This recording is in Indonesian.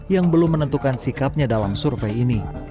yang belum menentukan sikapnya dalam survei ini